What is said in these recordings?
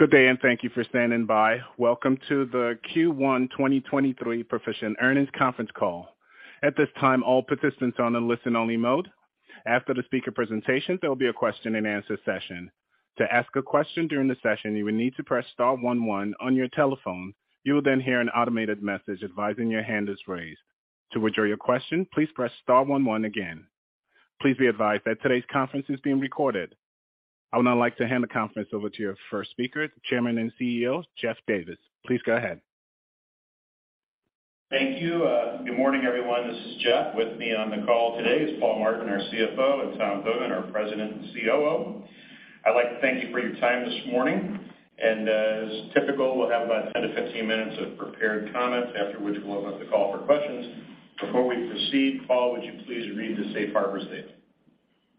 Go od day, and thank you for standing by. Welcome to the Q1 2023 Perficient Earnings Conference Call. At this time, all participants are on a listen only mode. After the speaker presentation, there will be a question-and-answer session. To ask a question during the session, you will need to press star one one on your telephone. You will then hear an automated message advising your hand is raised. To withdraw your question, please press star one one again. Please be advised that today's conference is being recorded. I would now like to hand the conference over to your first speaker, Chairman and CEO, Jeff Davis. Please go ahead. Thank you. Good morning, everyone. This is Jeff. With me on the call today is Paul Martin, our CFO, and Tom Hogan, our President and COO. I'd like to thank you for your time this morning. As typical, we'll have about 10-15 minutes of prepared comments, after which we'll open up the call for questions. Before we proceed, Paul, would you please read the safe harbor statement?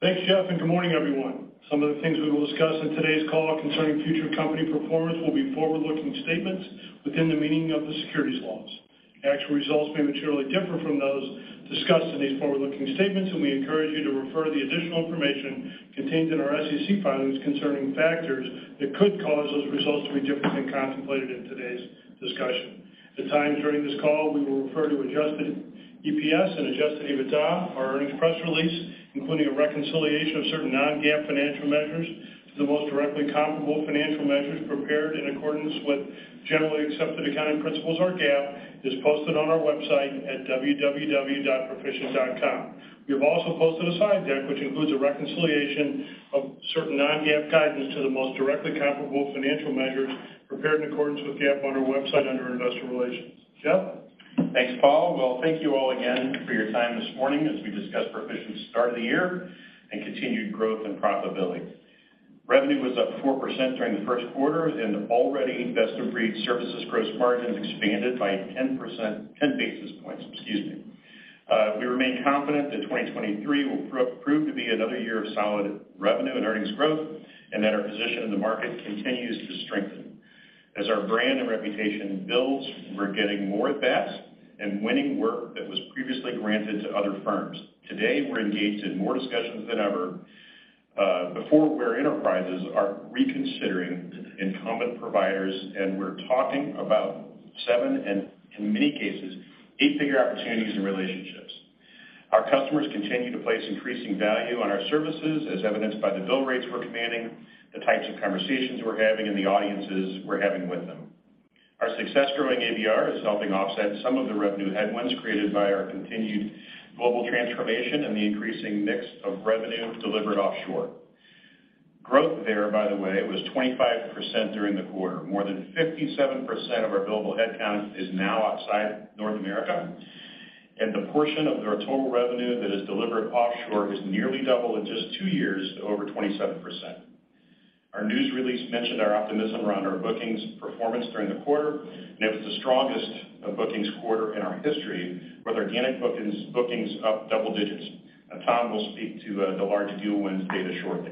Thanks, Jeff. Good morning, everyone. Some of the things we will discuss in today's call concerning future company performance will be forward-looking statements within the meaning of the securities laws. Actual results may materially differ from those discussed in these forward-looking statements. We encourage you to refer to the additional information contained in our SEC filings concerning factors that could cause those results to be different than contemplated in today's discussion. At times during this call, we will refer to Adjusted EPS and Adjusted EBITDA. Our earnings press release, including a reconciliation of certain non-GAAP financial measures to the most directly comparable financial measures prepared in accordance with generally accepted accounting principles or GAAP, is posted on our website at www.perficient.com. We have also posted a slide deck which includes a reconciliation of certain non-GAAP guidance to the most directly comparable financial measures prepared in accordance with GAAP on our website under Investor Relations. Jeff? Thanks, Paul. Well, thank you all again for your time this morning as we discuss Perficient's start of the year and continued growth and profitability. Revenue was up 4% during the 1st quarter and already investing free services gross margin has expanded by 10 basis points, excuse me. We remain confident that 2023 will prove to be another year of solid revenue and earnings growth and that our position in the market continues to strengthen. As our brand and reputation builds, we're getting more of that and winning work that was previously granted to other firms. Today, we're engaged in more discussions than ever. The Fortune 100 enterprises are reconsidering incumbent providers, and we're talking about 7, and in many cases, 8-figure opportunities and relationships. Our customers continue to place increasing value on our services, as evidenced by the bill rates we're commanding, the types of conversations we're having, and the audiences we're having with them. Our success growing ABR is helping offset some of the revenue headwinds created by our continued global transformation and the increasing mix of revenue delivered offshore. Growth there, by the way, was 25% during the quarter. More than 57% of our billable headcount is now outside North America, and the portion of our total revenue that is delivered offshore has nearly doubled in just two years to over 27%. Our news release mentioned our optimism around our bookings performance during the quarter. It was the strongest bookings quarter in our history, with organic bookings up double-digits. Tom will speak to the large deal wins data shortly.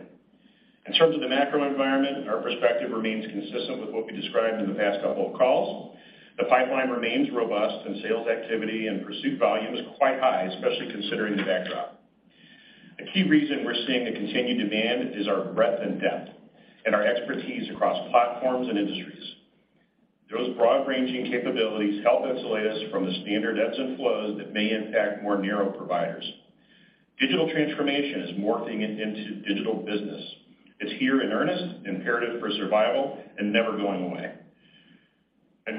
In terms of the macro environment, our perspective remains consistent with what we described in the past couple of calls. The pipeline remains robust, and sales activity and pursuit volume is quite high, especially considering the backdrop. A key reason we're seeing the continued demand is our breadth and depth and our expertise across platforms and industries. Those broad-ranging capabilities help insulate us from the standard ebbs and flows that may impact more narrow providers. Digital transformation is morphing into digital business. It's here in earnest, imperative for survival, and never going away.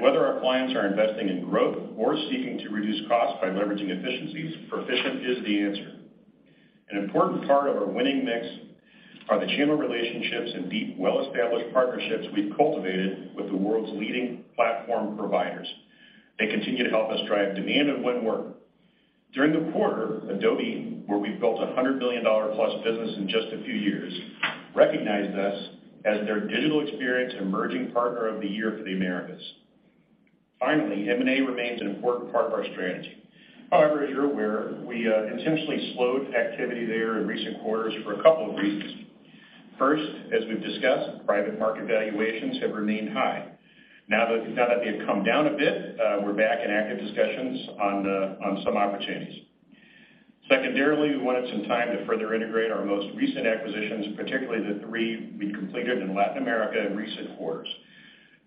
Whether our clients are investing in growth or seeking to reduce costs by leveraging efficiencies, Perficient is the answer. An important part of our winning mix are the channel relationships and deep, well-established partnerships we've cultivated with the world's leading platform providers. They continue to help us drive demand and win work. During the quarter, Adobe, where we've built a $100 million-plus business in just a few years, recognized us as their Digital Experience Emerging Partner of the Year for the Americas. M&A remains an important part of our strategy. As you're aware, we intentionally slowed activity there in recent quarters for a couple of reasons. As we've discussed, private market valuations have remained high. Now that they've come down a bit, we're back in active discussions on some opportunities. We wanted some time to further integrate our most recent acquisitions, particularly the three we completed in Latin America in recent quarters.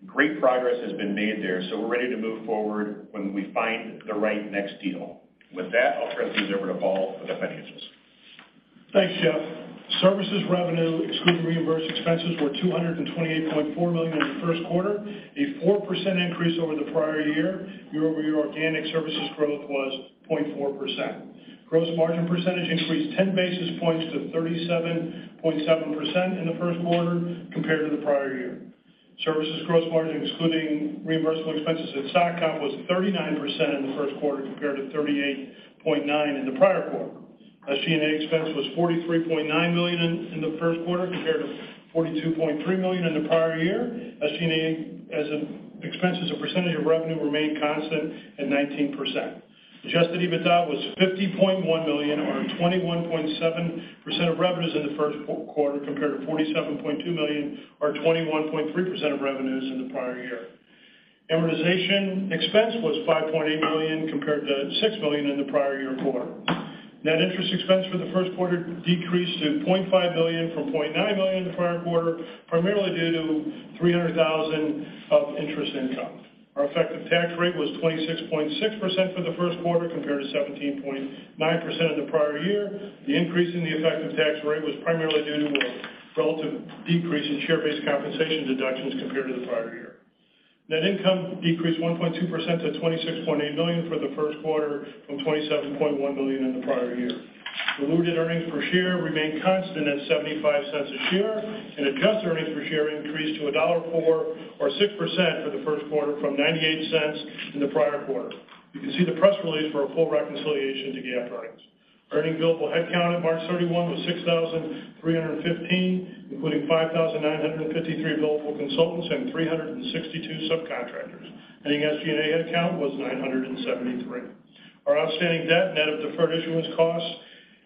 Great progress has been made there, we're ready to move forward when we find the right next deal. With that, I'll turn things over to Paul for the financials. Thanks, Jeff. Services revenue, excluding reimbursed expenses, were $228.4 million in the first quarter, a 4% increase over the prior year. Year-over-year organic services growth was 0.4%. Gross margin percentage increased 10 basis points to 37.7% in the first quarter compared to the prior year. Services gross margin, excluding reimbursable expenses at stock comp, was 39% in the first quarter compared to 38.9% in the prior quarter. SG&A expense was $43.9 million in the first quarter compared to $42.3 million in the prior year. SG&A expenses as a percentage of revenue remained constant at 19%. Adjusted EBITDA was $50.1 million or 21.7% of revenues in the first quarter, compared to $47.2 million or 21.3% of revenues. Amortization expense was $5.8 million compared to $6 million in the prior year quarter. Net interest expense for the first quarter decreased to $0.5 million from $0.9 million in the prior quarter, primarily due to $300,000 of interest income. Our effective tax rate was 26.6% for the first quarter compared to 17.9% in the prior year. The increase in the effective tax rate was primarily due to a relative decrease in share-based compensation deductions compared to the prior year. Net income decreased 1.2% to $26.8 million for the first quarter from $27.1 million in the prior year. Diluted earnings per share remained constant at $0.75 a share, and adjusted earnings per share increased to $1.04 or 6% for the first quarter from $0.98 in the prior quarter. You can see the press release for a full reconciliation to GAAP earnings. Ending billable headcount on March 31 was 6,315, including 5,953 billable consultants and 362 subcontractors. Ending SG&A headcount was 973. Our outstanding debt net of deferred issuance costs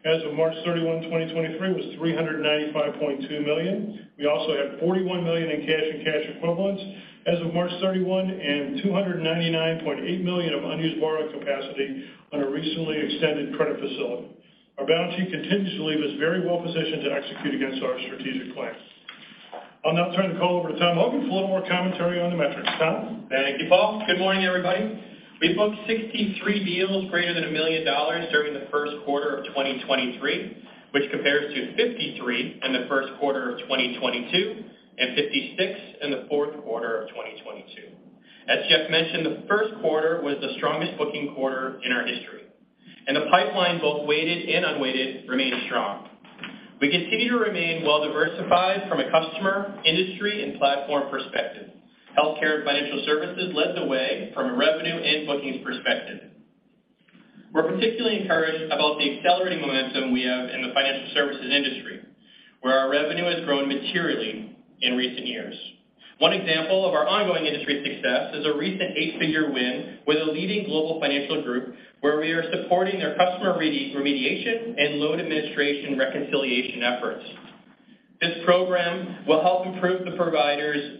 as of March 31, 2023 was $395.2 million. We also had $41 million in cash and cash equivalents as of March 31 and $299.8 million of unused borrowing capacity on a recently extended credit facility. Our balance sheet continues to leave us very well positioned to execute against our strategic plans. I'll now turn the call over to Tom Hogan for a little more commentary on the metrics. Tom? Thank you, Paul. Good morning, everybody. We booked 63 deals greater than $1 million during the first quarter of 2023, which compares to 53 in the first quarter of 2022 and 56 in the fourth quarter of 2022. As Jeff mentioned, the first quarter was the strongest booking quarter in our history, and the pipeline, both weighted and unweighted, remains strong. We continue to remain well-diversified from a customer, industry, and platform perspective. Healthcare and financial services led the way from a revenue and bookings perspective. We're particularly encouraged about the accelerating momentum we have in the financial services industry, where our revenue has grown materially in recent years. One example of our ongoing industry success is a recent eight-figure win with a leading global financial group where we are supporting their customer remediation and loan administration reconciliation efforts. This program will help improve the provider's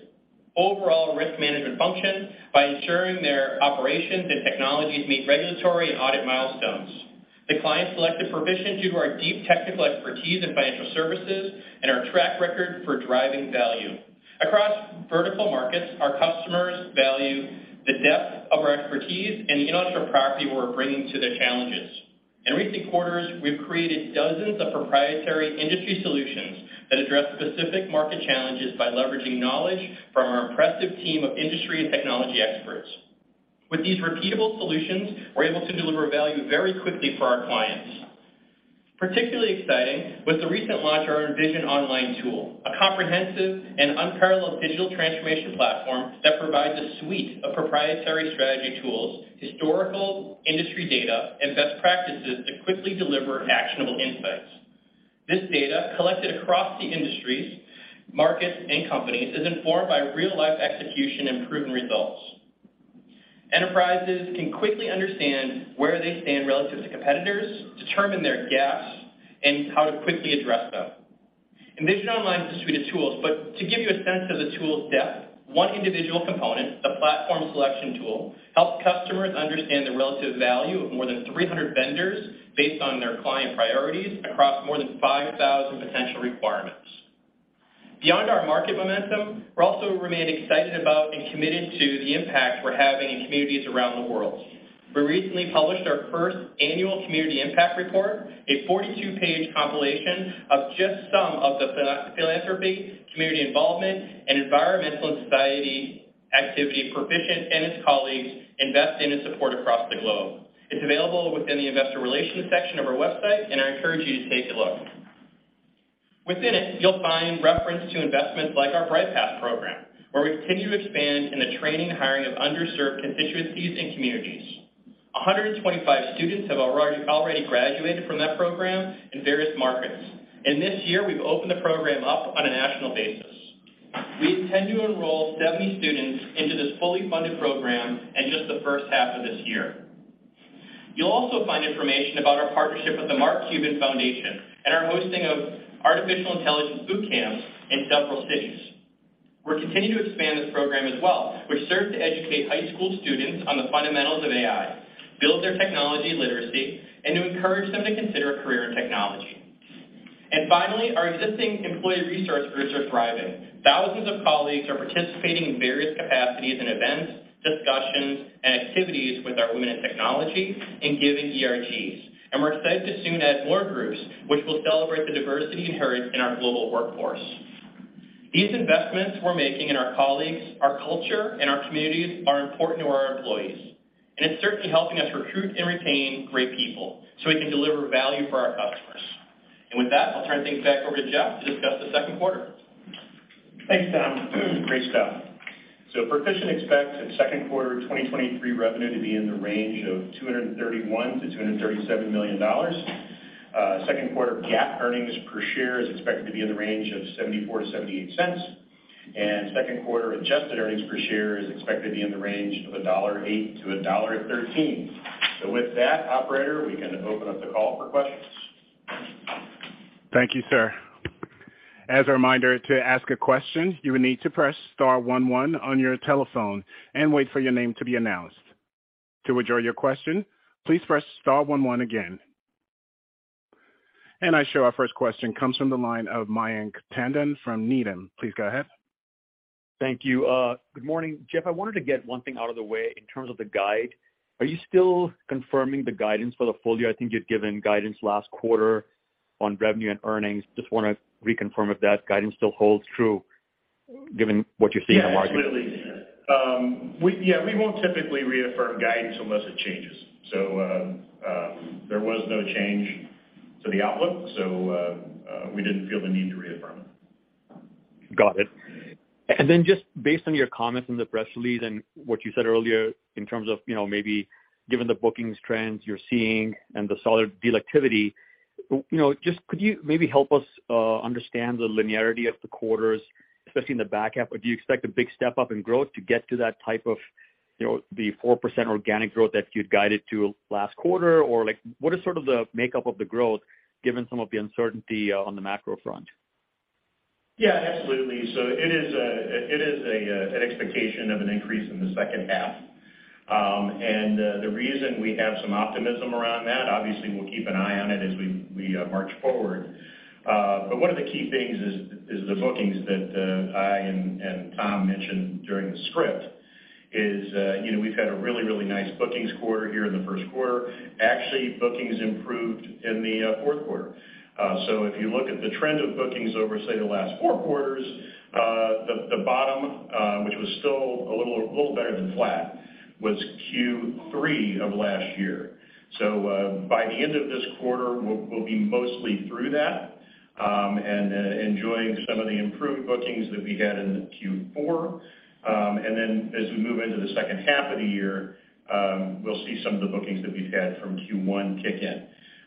overall risk management function by ensuring their operations and technologies meet regulatory and audit milestones. The client selected Perficient due to our deep technical expertise in financial services and our track record for driving value. Across vertical markets, our customers value the depth of our expertise and the intellectual property we're bringing to their challenges. In recent quarters, we've created dozens of proprietary industry solutions that address specific market challenges by leveraging knowledge from our impressive team of industry and technology experts. With these repeatable solutions, we're able to deliver value very quickly for our clients. Particularly exciting was the recent launch of our Envision Online tool, a comprehensive and unparalleled digital transformation platform that provides a suite of proprietary strategy tools, historical industry data, and best practices to quickly deliver actionable insights. This data, collected across the industries, markets, and companies, is informed by real-life execution and proven results. Enterprises can quickly understand where they stand relative to competitors, determine their gaps, and how to quickly address them. Envision Online is a suite of tools. To give you a sense of the tool's depth, one individual component, the platform selection tool, helps customers understand the relative value of more than 300 vendors based on their client priorities across more than 5,000 potential requirements. Beyond our market momentum, we also remain excited about and committed to the impact we're having in communities around the world. We recently published our first annual community impact report, a 42-page compilation of just some of the philanthropy, community involvement, and environmental and society activity Perficient and its colleagues invest in and support across the globe. It's available within the Investor Relations section of our website. I encourage you to take a look. Within it, you'll find reference to investments like our Bright Paths program, where we continue to expand in the training and hiring of underserved constituencies and communities. 125 students have already graduated from that program in various markets. This year, we've opened the program up on a national basis. We intend to enroll 70 students into this fully funded program in just the first half of this year. You'll also find information about our partnership with the Mark Cuban Foundation and our hosting of artificial intelligence boot camps in several cities. We'll continue to expand this program as well, which serves to educate high school students on the fundamentals of AI, build their technology literacy, and to encourage them to consider a career in technology. Finally, our existing employee resource groups are thriving. Thousands of colleagues are participating in various capacities and events, discussions, and activities with our Women in Technology and Giving ERGs. We're excited to soon add more groups which will celebrate the diversity inherent in our global workforce. These investments we're making in our colleagues, our culture, and our communities are important to our employees, and it's certainly helping us recruit and retain great people so we can deliver value for our customers. With that, I'll turn things back over to Jeff to discuss the second quarter. Thanks, Tom. Great stuff. Perficient expects its second quarter of 2023 revenue to be in the range of $231 million-$237 million. Second quarter GAAP earnings per share is expected to be in the range of $0.74-$0.78. Second quarter adjusted earnings per share is expected to be in the range of $1.08-$1.13. With that, operator, we can open up the call for questions. Thank you, sir. As a reminder, to ask a question, you will need to press star one one on your telephone and wait for your name to be announced. To withdraw your question, please press star one one again. I show our first question comes from the line of Mayank Tandon from Needham. Please go ahead. Thank you. Good morning, Jeff. I wanted to get one thing out of the way in terms of the guide. Are you still confirming the guidance for the full year? I think you'd given guidance last quarter on revenue and earnings. Just wanna reconfirm if that guidance still holds true given what you're seeing in the market. Yeah, absolutely. Yeah, we won't typically reaffirm guidance unless it changes. There was no change to the outlook, we didn't feel the need to reaffirm. Got it. Then just based on your comments in the press release and what you said earlier in terms of, you know, maybe given the bookings trends you're seeing and the solid deal activity, you know, just could you maybe help us understand the linearity of the quarters, especially in the back half? Do you expect a big step-up in growth to get to that type of, you know, the 4% organic growth that you'd guided to last quarter? Or, like, what is sort of the makeup of the growth given some of the uncertainty on the macro front? Yeah, absolutely. It is an expectation of an increase in the second half. The reason we have some optimism around that, obviously, we'll keep an eye on it as we march forward. One of the key things is the bookings that I and Tom mentioned during the script is, you know, we've had a really, really nice bookings quarter here in the first quarter. Actually, bookings improved in the fourth quarter. If you look at the trend of bookings over, say, the last 4 quarters, the bottom, which was still a little better than flat, was Q3 of last year. By the end of this quarter, we'll be mostly through that, and enjoying some of the improved bookings that we had in Q4. As we move into the second half of the year, we'll see some of the bookings that we've had from Q1 kick in.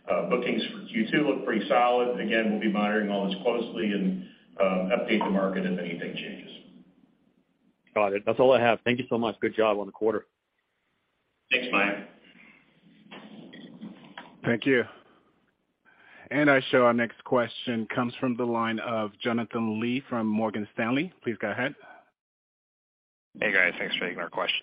Bookings for Q2 look pretty solid. Again, we'll be monitoring all this closely and update the market if anything changes. Got it. That's all I have. Thank you so much. Good job on the quarter. Thanks, Mayank. Thank you. I show our next question comes from the line of Jonathan Lee from Morgan Stanley. Please go ahead. Hey, guys. Thanks for taking our question.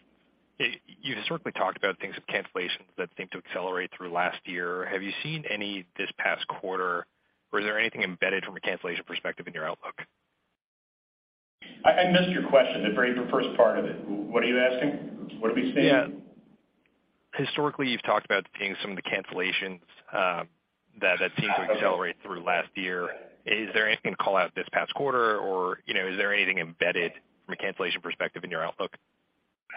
You historically talked about things with cancellations that seemed to accelerate through last year. Have you seen any this past quarter? Is there anything embedded from a cancellation perspective in your outlook? I missed your question, the very first part of it. What are you asking? What are we seeing? Yeah. Historically, you've talked about seeing some of the cancellations, that seemed to accelerate through last year. Is there anything to call out this past quarter? You know, is there anything embedded from a cancellation perspective in your outlook?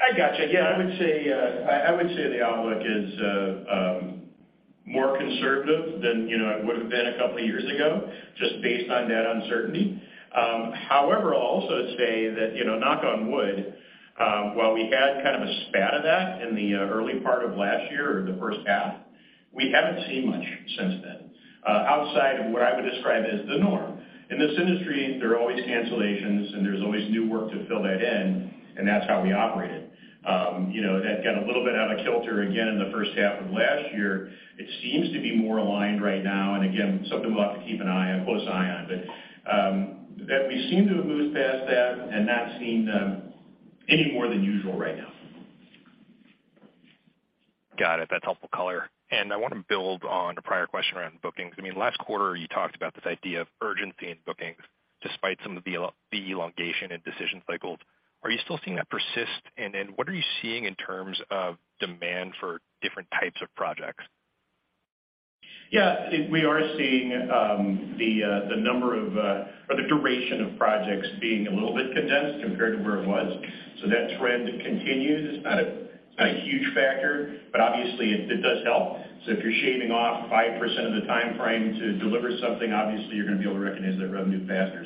I gotcha. Yeah, I would say the outlook is more conservative than, you know, it would've been a couple of years ago, just based on that uncertainty. I'll also say that, you know, knock on wood, while we had kind of a spat of that in the early part of last year or the first half, we haven't seen much since then, outside of what I would describe as the norm. In this industry, there are always cancellations, and there's always new work to fill that in, and that's how we operate it. You know, that got a little bit out of kilter again in the first half of last year. It seems to be more aligned right now, and again, something we'll have to keep an eye on, close eye on. That we seem to have moved past that and not seen, any more than usual right now. Got it. That's helpful color. I wanna build on a prior question around bookings. I mean, last quarter, you talked about this idea of urgency in bookings despite some of the elongation in decision cycles. Are you still seeing that persist? What are you seeing in terms of demand for different types of projects? Yeah. We are seeing the number of or the duration of projects being a little bit condensed compared to where it was. That trend continues. It's not a, it's not a huge factor, but obviously it does help. If you're shaving off 5% of the timeframe to deliver something, obviously you're gonna be able to recognize that revenue faster.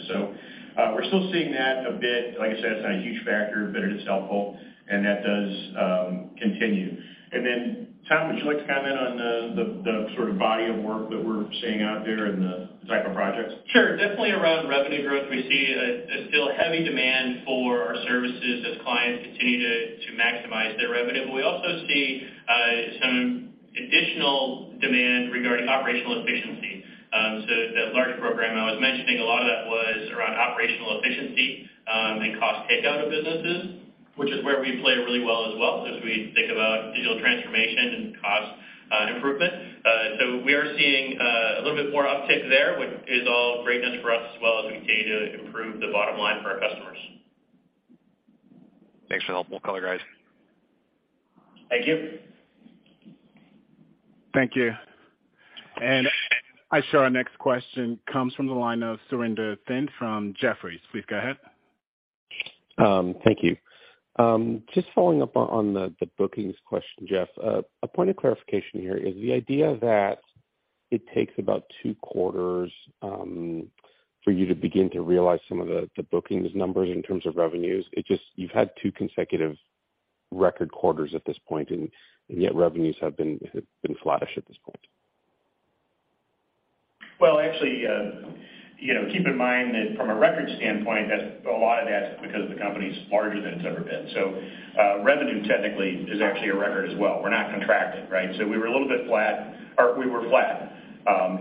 We're still seeing that a bit. Like I said, it's not a huge factor, but it is helpful, and that does continue. Then, Tom, would you like to comment on the sort of body of work that we're seeing out there and the cycle of projects? Sure. Definitely around revenue growth, we see a still heavy demand for our services as clients continue to maximize their revenue. We also see some additional demand regarding operational efficiency. That large program I was mentioning, a lot of that was around operational efficiency and cost takeout of businesses, which is where we play really well as well as we think about digital transformation and cost improvement. We are seeing a little bit more uptick there, which is all great news for us as well as we continue to improve the bottom line for our customers. Thanks for the helpful color, guys. Thank you. Thank you. I show our next question comes from the line of Surinder Thind from Jefferies. Please go ahead. Thank you. Just following up on the bookings question, Jeff. A point of clarification here is the idea that it takes about 2 quarters for you to begin to realize some of the bookings numbers in terms of revenues. You've had 2 consecutive record quarters at this point, and yet revenues have been flattish at this point. Well, actually, you know, keep in mind that from a record standpoint, that's a lot of that's because the company's larger than it's ever been. Revenue technically is actually a record as well. We're not contracting, right? We were a little bit flat, or we were flat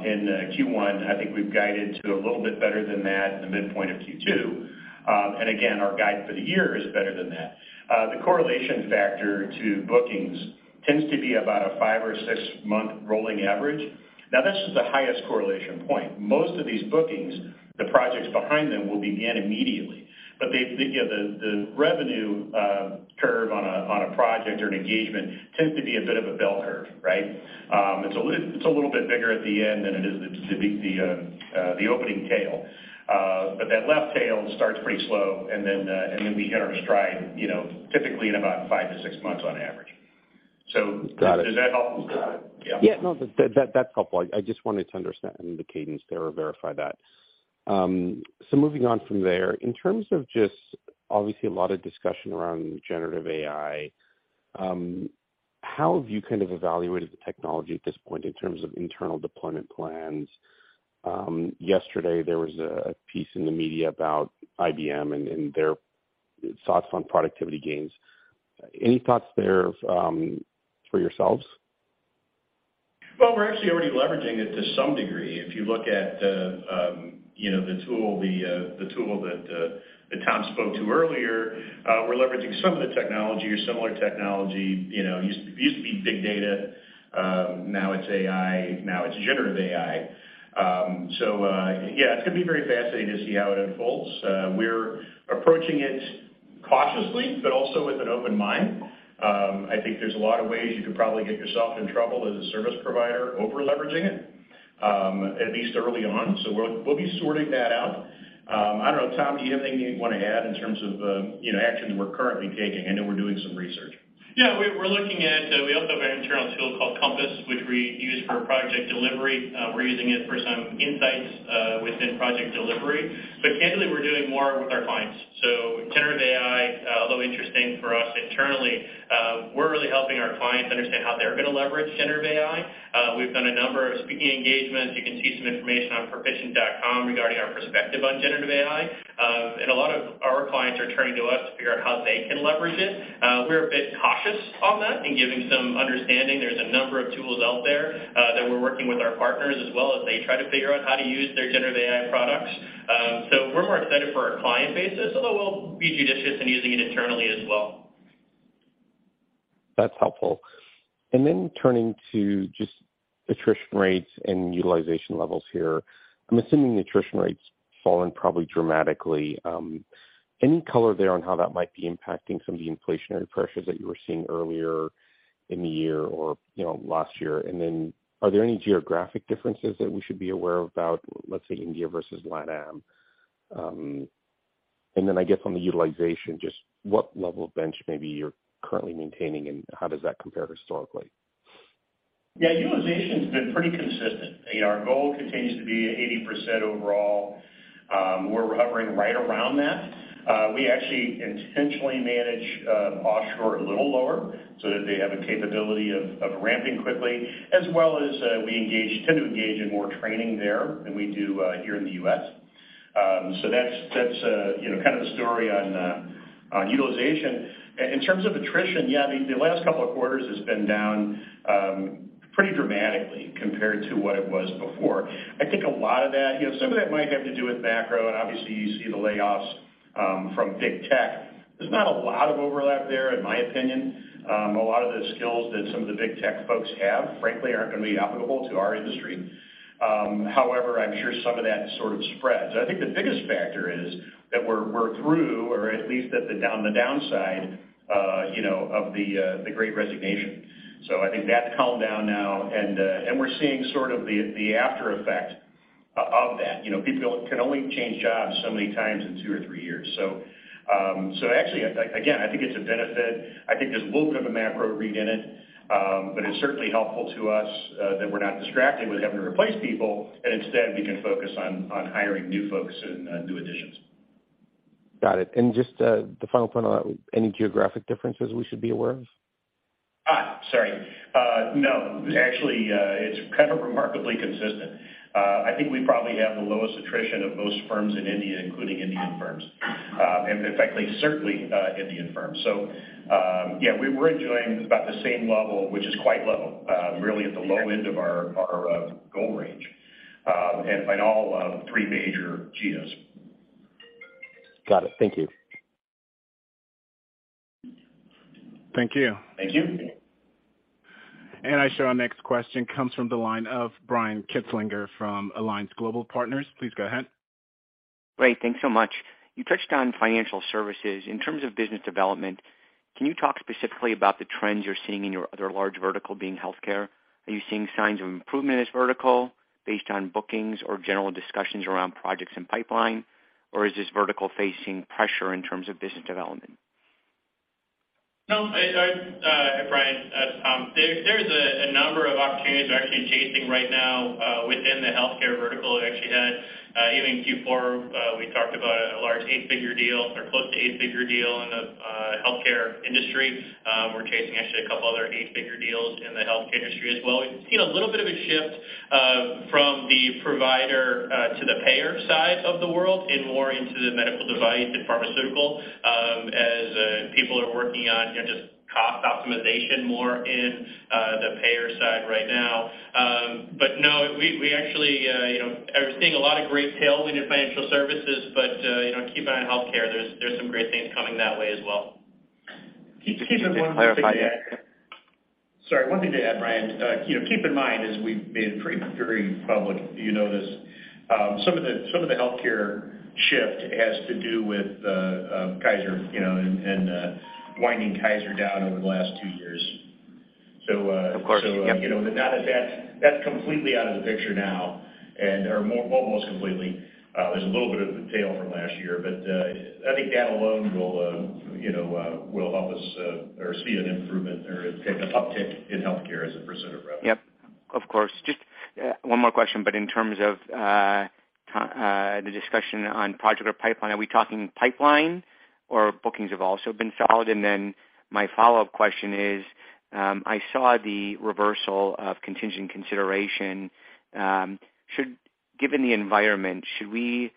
in Q1. I think we've guided to a little bit better than that in the midpoint of Q2. Again, our guide for the year is better than that. The correlation factor to bookings tends to be about a five or six-month rolling average. Now, that's just the highest correlation point. Most of these bookings, the projects behind them will begin immediately. They, you know, the revenue curve on a project or an engagement tends to be a bit of a bell curve, right? It's a little bit bigger at the end than it is at the opening tail. That left tail starts pretty slow, and then, and then we hit our stride, you know, typically in about five to six months on average. Got it. Does that help? Got it. Yeah. Yeah. No, that's helpful. I just wanted to understand the cadence there or verify that. Moving on from there. In terms of just, obviously, a lot of discussion around generative AI, how have you kind of evaluated the technology at this point in terms of internal deployment plans? Yesterday there was a piece in the media about IBM and their thoughts on productivity gains. Any thoughts there for yourselves? Well, we're actually already leveraging it to some degree. If you look at the, you know, the tool, the tool that Tom spoke to earlier, we're leveraging some of the technology or similar technology. You know, used to be big data, now it's AI, now it's generative AI. Yeah, it's gonna be very fascinating to see how it unfolds. We're approaching it cautiously, but also with an open mind. I think there's a lot of ways you could probably get yourself in trouble as a service provider over-leveraging it, at least early on. We'll, we'll be sorting that out. I don't know, Tom, do you have anything you'd wanna add in terms of, you know, actions we're currently taking? I know we're doing some research. Yeah. We're looking at, we also have an internal tool called Compass, which we use for project delivery. We're using it for some insights within project delivery. Candidly, we're doing more with our clients. Generative AI, although interesting for us internally, we're really helping our clients understand how they're gonna leverage generative AI. We've done a number of speaking engagements. You can see some information on perficient.com regarding our perspective on generative AI. A lot of our clients are turning to us to figure out how they can leverage it. We're a bit cautious on that and giving some understanding. There's a number of tools out there that we're working with our partners as well as they try to figure out how to use their generative AI products. We're more excited for our client base, although we'll be judicious in using it internally as well. That's helpful. Turning to just attrition rates and utilization levels here. I'm assuming the attrition rate's fallen probably dramatically. Any color there on how that might be impacting some of the inflationary pressures that you were seeing earlier in the year or, you know, last year? Are there any geographic differences that we should be aware about, let's say India versus LATAM? I guess on the utilization, just what level of bench maybe you're currently maintaining, and how does that compare historically? Utilization's been pretty consistent. You know, our goal continues to be 80% overall. We're hovering right around that. We actually intentionally manage offshore a little lower so that they have a capability of ramping quickly, as well as, we tend to engage in more training there than we do here in the U.S. So that's, you know, kind of the story on utilization. In terms of attrition, I mean, the last couple of quarters has been down, pretty dramatically compared to what it was before. I think a lot of that, you know, some of that might have to do with macro and obviously you see the layoffs from big tech. There's not a lot of overlap there, in my opinion. A lot of the skills that some of the big tech folks have, frankly, aren't gonna be applicable to our industry. However, I'm sure some of that sort of spreads. I think the biggest factor is that we're through or at least at the downside, you know, of the Great Resignation. I think that's calmed down now and we're seeing sort of the aftereffect of that. You know, people can only change jobs so many times in two or three years. Actually, again, I think it's a benefit. I think there's a little bit of a macro read in it, but it's certainly helpful to us that we're not distracted with having to replace people, and instead we can focus on hiring new folks and new additions. Got it. Just the final point on that, any geographic differences we should be aware of? Sorry. No. Actually, it's kind of remarkably consistent. I think we probably have the lowest attrition of most firms in India, including Indian firms. In fact, like certainly, Indian firms. Yeah, we're enjoying about the same level, which is quite low, really at the low end of our goal range, and in all three major geos. Got it. Thank you. Thank you. Thank you. I show our next question comes from the line of Brian Kinstlinger from Alliance Global Partners. Please go ahead. Great. Thanks so much. You touched on financial services. In terms of business development, can you talk specifically about the trends you're seeing in your other large vertical being healthcare? Are you seeing signs of improvement as vertical based on bookings or general discussions around projects and pipeline, or is this vertical facing pressure in terms of business development? No. Brian, there's a number of opportunities we're actually chasing right now within the Healthcare vertical. We actually had, even in Q4, we talked about a large 8-figure deal or close to 8-figure deal in the Healthcare industry. We're chasing actually a couple other 8-figure deals in the Healthcare industry as well. We've seen a little bit of a shift from the provider to the payer side of the world and more into the medical device and pharmaceutical, as people are working on, you know, just cost optimization more in the payer side right now. No, we actually, you know, are seeing a lot of great tailwind in financial services, but, you know, keep an eye on Healthcare. There's some great things coming that way as well. Can I just clarify that? Sorry, one thing to add, Brian. You know, keep in mind as we've been pretty, very public, you notice, some of the, some of the healthcare shift has to do with Kaiser, you know, and winding Kaiser down over the last two years. Of course. Yep. You know, now that that's completely out of the picture now and well, almost completely. There's a little bit of tail from last year, I think that alone will, you know, will help us or see an improvement or an uptick in healthcare as a % of rev. Yep, of course. Just, one more question, but in terms of the discussion on project or pipeline, are we talking pipeline or bookings have also been solid? My follow-up question is, I saw the reversal of contingent consideration. Given the environment, should we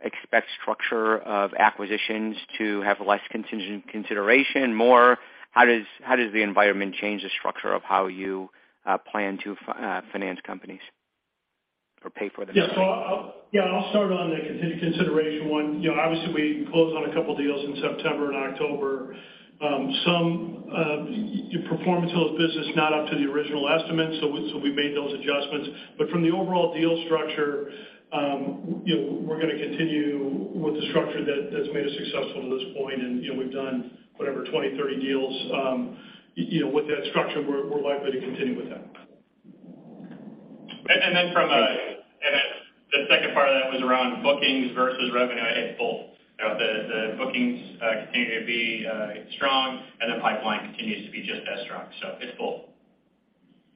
expect structure of acquisitions to have less contingent consideration? More how does the environment change the structure of how you plan to finance companies or pay for them? I'll start on the contingent consideration one. You know, obviously we closed on a couple deals in September and October. Some performance of those business not up to the original estimates, so we made those adjustments. From the overall deal structure, you know, we're gonna continue with the structure that's made us successful to this point. You know, we've done whatever, 20, 30 deals, you know, with that structure, we're likely to continue with that. Then the second part of that was around bookings versus revenue. I think both. You know, the bookings continue to be strong, and the pipeline continues to be just as strong. It's both.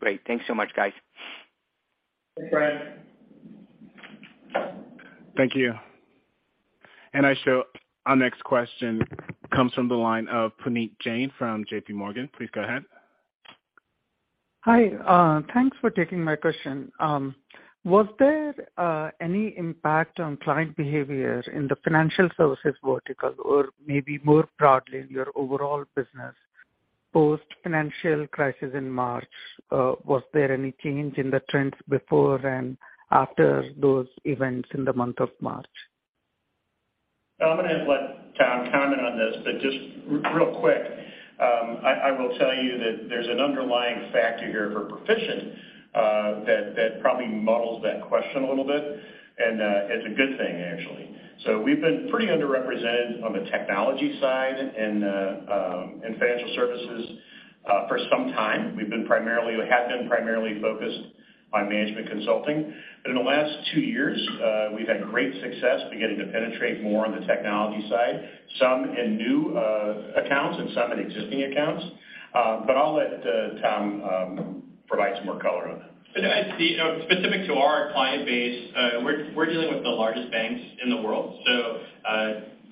Great. Thanks so much, guys. Thanks, Brian. Thank you. I show our next question comes from the line of Puneet Jain from JPMorgan. Please go ahead. Hi. Thanks for taking my question. Was there any impact on client behavior in the financial services vertical or maybe more broadly in your overall business post-financial crisis in March? Was there any change in the trends before and after those events in the month of March? I'm gonna let Tom comment on this, but just real quick, I will tell you that there's an underlying factor here for Perficient that probably muddles that question a little bit, and it's a good thing actually. We've been pretty underrepresented on the technology side in financial services for some time. We've been primarily or have been primarily focused on management consulting. In the last two years, we've had great success beginning to penetrate more on the technology side, some in new accounts and some in existing accounts. I'll let Tom provide some more color on that. I'd see, specific to our client base, we're dealing with the largest banks in the world.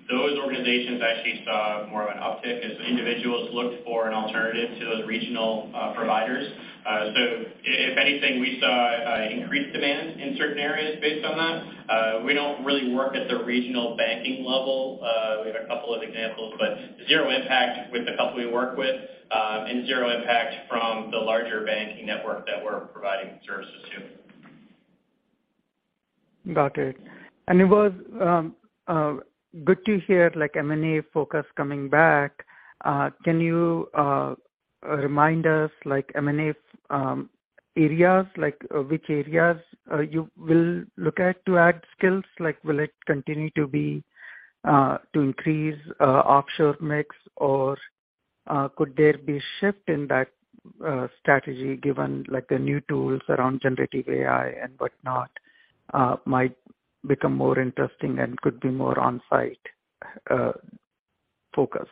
Those organizations actually saw more of an uptick as individuals looked for an alternative to those regional providers. If anything, we saw increased demand in certain areas based on that. We don't really work at the regional banking level. We have a couple of examples, but zero impact with the couple we work with, and zero impact from the larger banking network that we're providing services to. Got it. It was good to hear like M&A focus coming back. Can you remind us like M&A areas, like which areas you will look at to add skills? Like, will it continue to be to increase offshore mix? Could there be shift in that strategy given like the new tools around generative AI and whatnot might become more interesting and could be more on-site focused?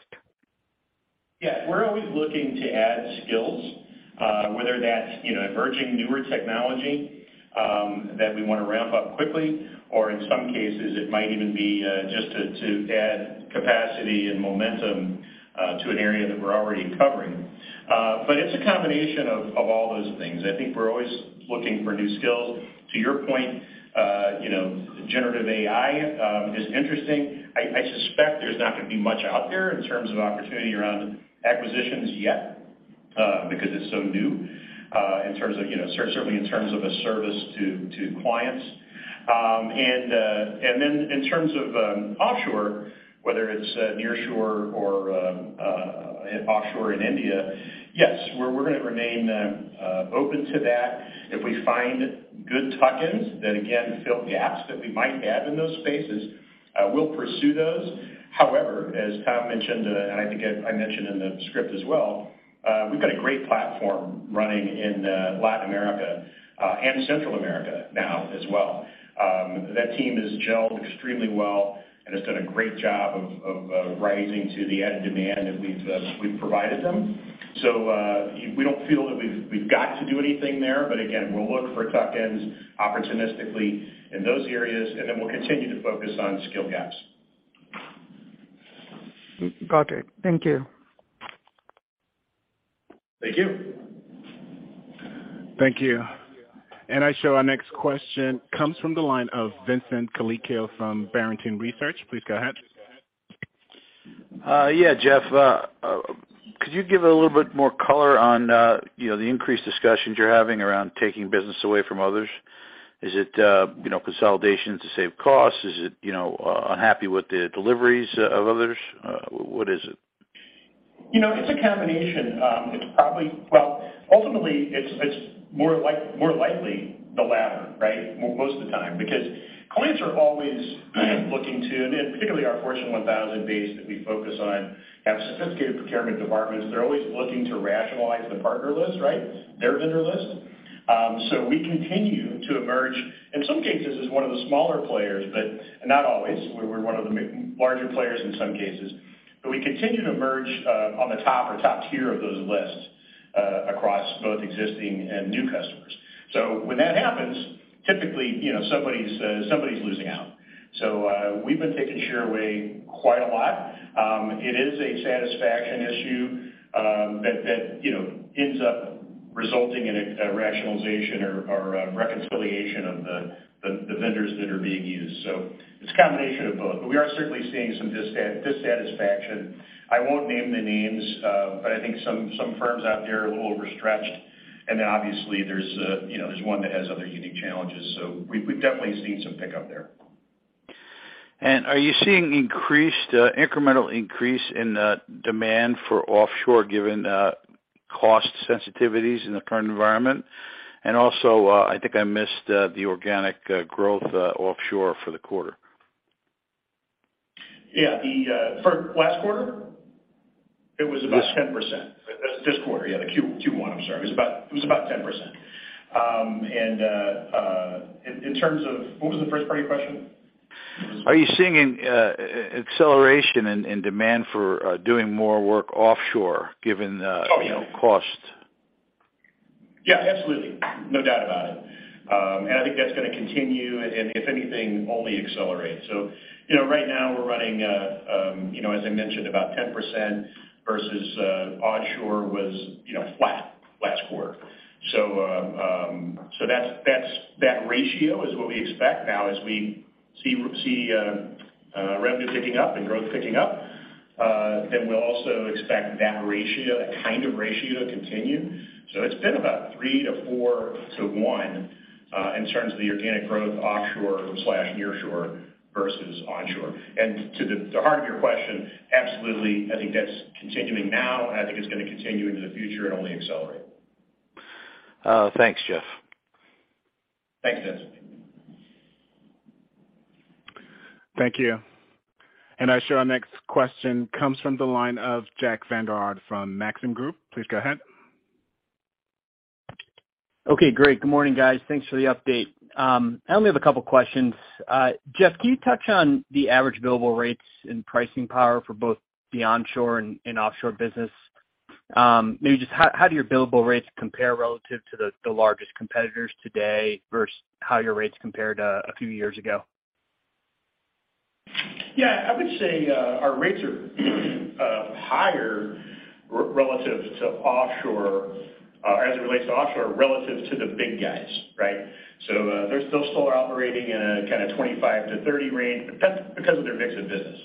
We're always looking to add skills, whether that's, you know, emerging newer technology, that we wanna ramp up quickly or in some cases it might even be just to add capacity and momentum to an area that we're already covering. It's a combination of all those things. I think we're always looking for new skills. To your point, you know, generative AI is interesting. I suspect there's not gonna be much out there in terms of opportunity around acquisitions yet, because it's so new in terms of, you know, certainly in terms of a service to clients. Then in terms of offshore, whether it's nearshore or offshore in India, yes, we're gonna remain open to that. If we find good tuck-ins that again fill gaps that we might have in those spaces, we'll pursue those. However, as Tom mentioned, and I think I mentioned in the script as well, we've got a great platform running in Latin America and Central America now as well. That team has gelled extremely well and has done a great job of rising to the added demand that we've provided them. We don't feel that we've got to do anything there. Again, we'll look for tuck-ins opportunistically in those areas, and then we'll continue to focus on skill gaps. Got it. Thank you. Thank you. Thank you. I show our next question comes from the line of Vincent Colicchio from Barrington Research. Please go ahead. Yeah, Jeff, could you give a little bit more color on, you know, the increased discussions you're having around taking business away from others? Is it, you know, consolidation to save costs? Is it, you know, unhappy with the deliveries of others? What is it? You know, it's a combination. Well, ultimately, it's more likely the latter, right? Most of the time. Clients are always looking to, and particularly our Fortune 1000 base that we focus on, have sophisticated procurement departments. They're always looking to rationalize the partner list, right? Their vendor list. We continue to emerge, in some cases, as one of the smaller players, but not always. We're one of the larger players in some cases. We continue to merge on the top or top tier of those lists across both existing and new customers. When that happens, typically, you know, somebody's losing out. We've been taking share away quite a lot. It is a satisfaction issue, that, you know, ends up resulting in a rationalization or a reconciliation of the vendors that are being used. It's a combination of both. We are certainly seeing some dissatisfaction. I won't name the names, but I think some firms out there are a little overstretched, and then obviously there's, you know, there's one that has other unique challenges. We've definitely seen some pickup there. Are you seeing increased, incremental increase in demand for offshore given cost sensitivities in the current environment? Also, I think I missed the organic growth offshore for the quarter. Yeah, the for last quarter? It was about 10%. This quarter, yeah, the Q1, I'm sorry. It was about 10%. In terms of... What was the first part of your question? Are you seeing an acceleration in demand for doing more work offshore given, you know, cost? Yeah, absolutely. No doubt about it. I think that's gonna continue, and, if anything, only accelerate. You know, right now we're running, you know, as I mentioned, about 10% versus, onshore was, you know, flat last quarter. That's, that ratio is what we expect now as we see revenue picking up and growth picking up, then we'll also expect that ratio, that kind of ratio to continue. It's been about 3 to 4 to 1, in terms of the organic growth offshore/nearshore versus onshore. To the heart of your question, absolutely. I think that's continuing now, and I think it's gonna continue into the future and only accelerate. Thanks, Jeff. Thanks, Vincent. Thank you. I show our next question comes from the line of Jack Vander Aarde from Maxim Group. Please go ahead. Okay, great. Good morning, guys. Thanks for the update. I only have a couple questions. Jeff, can you touch on the average billable rates and pricing power for both the onshore and offshore business? Maybe just how do your billable rates compare relative to the largest competitors today versus how your rates compared a few years ago? I would say our rates are higher relative to offshore, as it relates to offshore, relative to the big guys, right? They're still operating in a kinda 25-30 range, but that's because of their mix of business.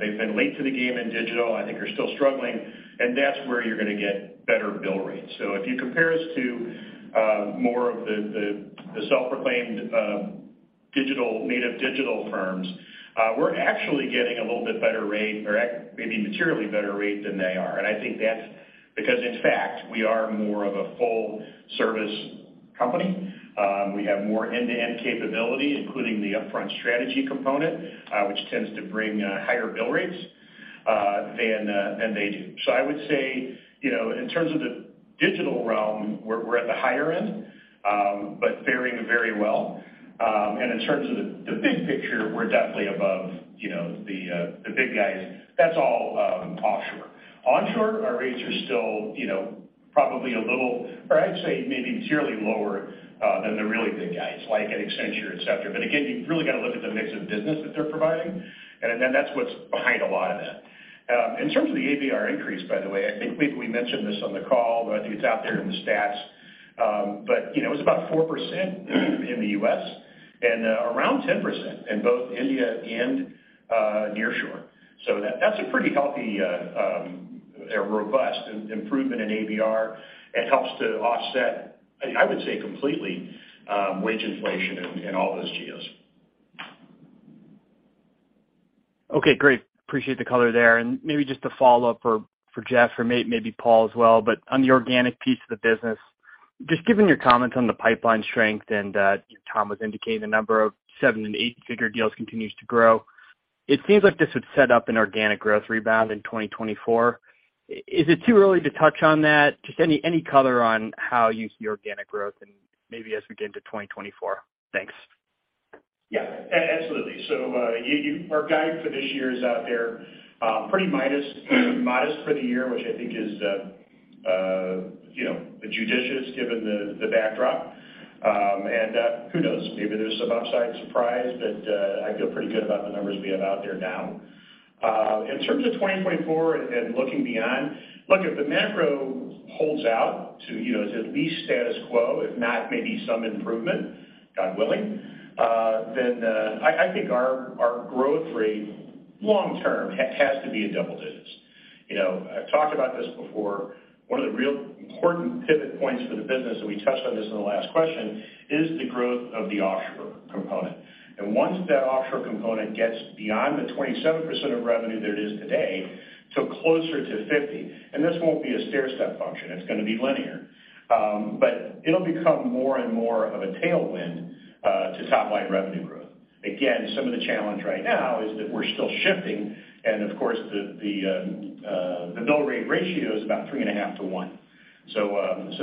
They've been late to the game in digital, I think are still struggling, and that's where you're gonna get better bill rates. If you compare us to more of the self-proclaimed, native digital firms, we're actually getting a little bit better rate or maybe materially better rate than they are. I think that's because, in fact, we are more of a full-service company. We have more end-to-end capability, including the upfront strategy component, which tends to bring higher bill rates than they do. I would say, you know, in terms of the digital realm, we're at the higher end, but faring very well. In terms of the big picture, we're definitely above, you know, the big guys. That's all offshore. Onshore, our rates are still, you know, probably materially lower than the really big guys, like an Accenture, et cetera. Again, you've really got to look at the mix of business that they're providing, and then that's what's behind a lot of that. In terms of the ABR increase, by the way, I think maybe we mentioned this on the call, but I think it's out there in the stats. You know, it was about 4% in the U.S. and around 10% in both India and nearshore. That's a pretty healthy, a robust improvement in ABR. It helps to offset, I would say completely, wage inflation in all those geos. Okay, great. Appreciate the color there. Maybe just a follow-up for Jeff or maybe Paul as well. On the organic piece of the business, just given your comments on the pipeline strength, Tom was indicating the number of 7- and 8-figure deals continues to grow, it seems like this would set up an organic growth rebound in 2024. Is it too early to touch on that? Just any color on how you see organic growth and maybe as we get into 2024? Thanks. Yeah, absolutely. Our guide for this year is out there, pretty modest for the year, which I think is, you know, judicious given the backdrop. Who knows, maybe there's some upside surprise, I feel pretty good about the numbers we have out there now. In terms of 2024 and looking beyond, look, if the macro holds out to, you know, to at least status quo, if not maybe some improvement, God willing, I think our growth rate long term has to be in double digits. You know, I've talked about this before. One of the real important pivot points for the business, and we touched on this in the last question, is the growth of the offshore component. Once that offshore component gets beyond the 27% of revenue that it is today to closer to 50, this won't be a stairstep function, it's gonna be linear. It'll become more and more of a tailwind to top-line revenue growth. Again, some of the challenge right now is that we're still shifting and, of course, the bill rate ratio is about 3.5 to 1.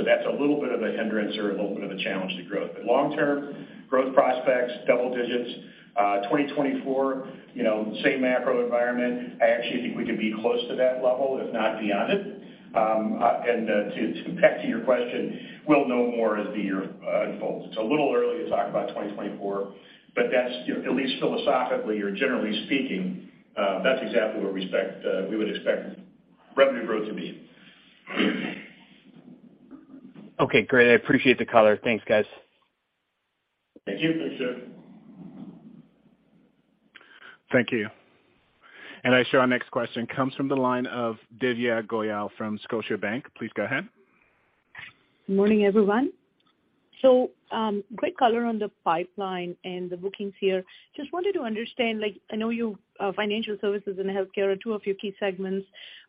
That's a little bit of a hindrance or a little bit of a challenge to growth. Long-term, growth prospects, double digits. 2024, you know, same macro environment. I actually think we could be close to that level, if not beyond it. Back to your question, we'll know more as the year unfolds. It's a little early to talk about 2024, but that's, you know, at least philosophically or generally speaking, that's exactly where we expect, we would expect revenue growth to be. Okay, great. I appreciate the color. Thanks, guys. Thank you. Thanks, sir. Thank you. I show our next question comes from the line of Divya Goyal from Scotiabank. Please go ahead. Morning, everyone. Great color on the pipeline and the bookings here. Just wanted to understand, like, I know you, financial services and healthcare are two of your key segments.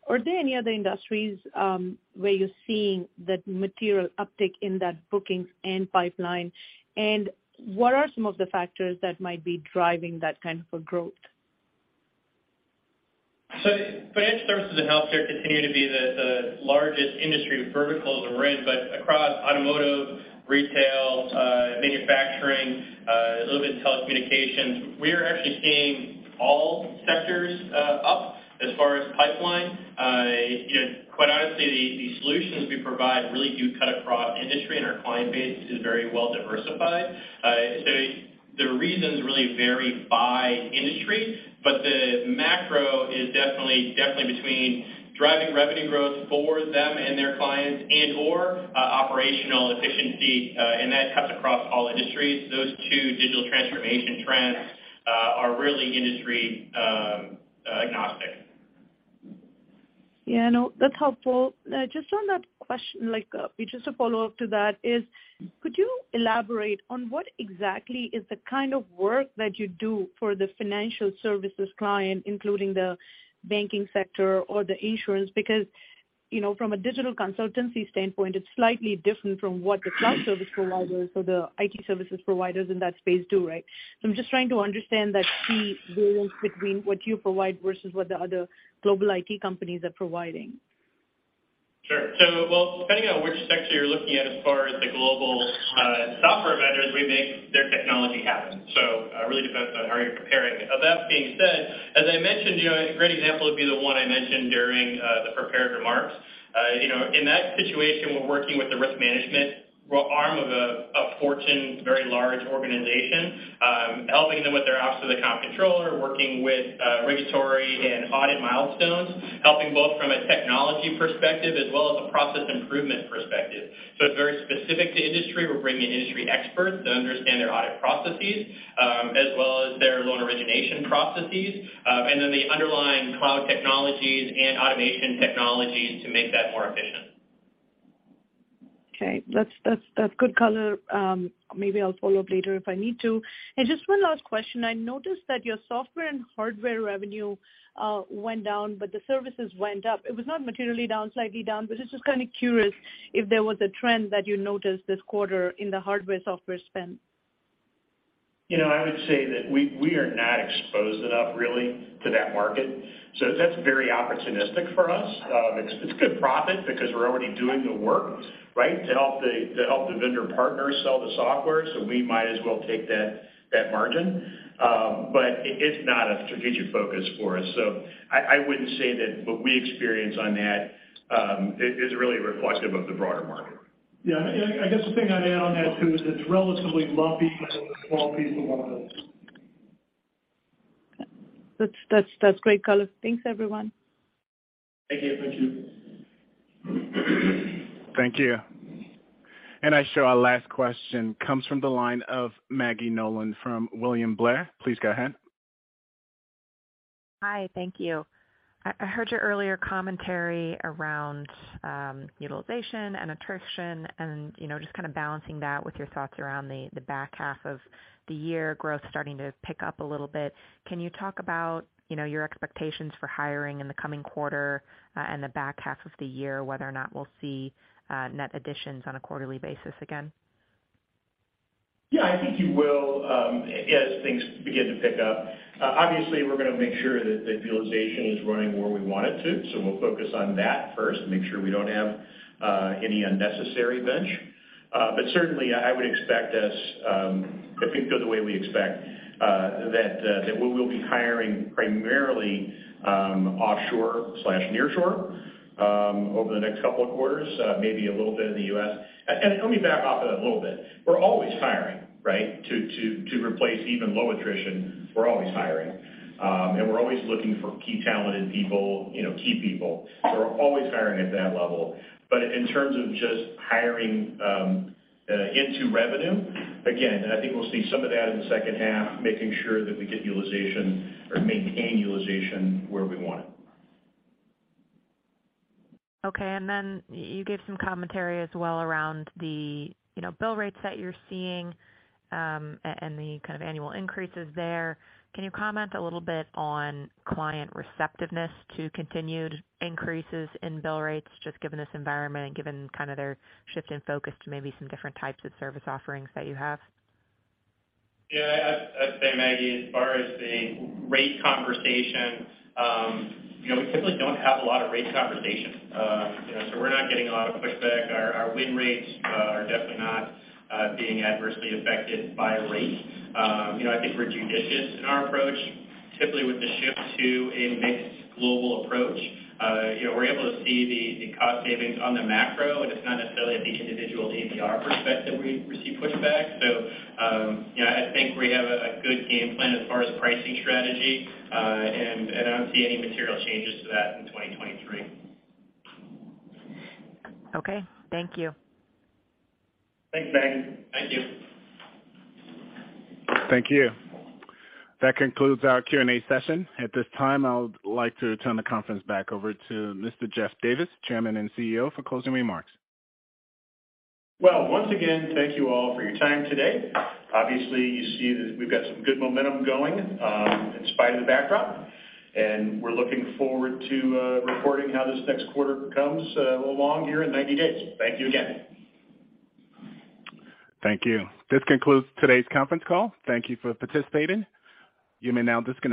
Are there any other industries where you're seeing that material uptick in that bookings and pipeline? What are some of the factors that might be driving that kind of a growth? Financial services and healthcare continue to be the largest industry verticals that we're in, but across automotive, retail, manufacturing, a little bit of telecommunications, we are actually seeing all sectors up as far as pipeline. You know, quite honestly, the solutions we provide really do cut across industry, and our client base is very well diversified. The reasons really vary by industry, but the macro is definitely between driving revenue growth for them and their clients and/or operational efficiency, and that cuts across all industries. Those two digital transformation trends are really industry agnostic. Yeah, no, that's helpful. Just on that question, like, just a follow-up to that is could you elaborate on what exactly is the kind of work that you do for the financial services client, including the banking sector or the insurance? Because, you know, from a digital consultancy standpoint, it's slightly different from what the cloud service providers or the IT services providers in that space do, right? I'm just trying to understand that key difference between what you provide versus what the other global IT companies are providing. Sure. Well, depending on which sector you're looking at as far as the global software vendors, we make their technology happen. Really depends on how you're comparing it. That being said, as I mentioned, you know, a great example would be the one I mentioned during the prepared remarks. You know, in that situation, we're working with the risk management arm of a very large Fortune organization, helping them with their Office of the Comptroller, working with regulatory and audit milestones, helping both from a technology perspective as well as a process improvement perspective. It's very specific to industry. We're bringing industry experts that understand their audit processes, as well as their loan origination processes, and then the underlying cloud technologies and automation technologies to make that more efficient. Okay. That's good color. Maybe I'll follow up later if I need to. Just one last question. I noticed that your software and hardware revenue went down, but the services went up. It was not materially down, slightly down, but it's just kind of curious if there was a trend that you noticed this quarter in the hardware/software spend. You know, I would say that we are not exposed enough really to that market. That's very opportunistic for us. It's good profit because we're already doing the work, right, to help the vendor partners sell the software, so we might as well take that margin. It's not a strategic focus for us. I wouldn't say that what we experience on that is really reflective of the broader market. Yeah. I guess the thing I'd add on that, too, is it's relatively lumpy and a small piece of our business. That's great color. Thanks, everyone. Thank you. Thank you. Thank you. I show our last question comes from the line of Maggie Nolan from William Blair. Please go ahead. Hi. Thank you. I heard your earlier commentary around utilization and attrition and, you know, just kind of balancing that with your thoughts around the back half of the year growth starting to pick up a little bit. Can you talk about, you know, your expectations for hiring in the coming quarter and the back half of the year, whether or not we'll see net additions on a quarterly basis again? Yeah, I think you will, as things begin to pick up. Obviously, we're gonna make sure that the utilization is running where we want it to, so we'll focus on that first and make sure we don't have any unnecessary bench. Certainly I would expect us, if we go the way we expect, that we will be hiring primarily offshore slash nearshore over the next couple of quarters, maybe a little bit in the U.S. Let me back off of that a little bit. We're always hiring, right? To replace even low attrition, we're always hiring. We're always looking for key talented people, you know, key people. We're always hiring at that level. In terms of just hiring into revenue, again, and I think we'll see some of that in the second half, making sure that we get utilization or maintain utilization where we want it. Okay. Then you gave some commentary as well around the, you know, bill rates that you're seeing, and the kind of annual increases there. Can you comment a little bit on client receptiveness to continued increases in bill rates, just given this environment and given kind of their shift in focus to maybe some different types of service offerings that you have? Yeah, I'd say, Maggie, as far as the rate conversation, you know, we typically don't have a lot of rate conversations. You know, we're not getting a lot of pushback. Our win rates are definitely not being adversely affected by rate. You know, I think we're judicious in our approach. Typically, with the shift to a mixed global approach, you know, we're able to see the cost savings on the macro, and it's not necessarily at the individual ABR perspective we receive pushback. You know, I think we have a good game plan as far as pricing strategy. I don't see any material changes to that in 2023. Okay. Thank you. Thanks, Maggie. Thank you. Thank you. That concludes our Q&A session. At this time, I would like to turn the conference back over to Mr. Jeff Davis, Chairman and CEO, for closing remarks. Once again, thank you all for your time today. Obviously, you see that we've got some good momentum going, in spite of the backdrop. We're looking forward to reporting how this next quarter comes along here in 90 days. Thank you again. Thank you. This concludes today's conference call. Thank you for participating. You may now disconnect.